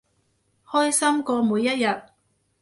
開心過每一日